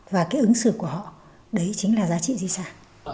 và cái ứng xử của họ đấy chính là giá trị di sản